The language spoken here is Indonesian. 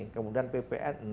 kemudian ppn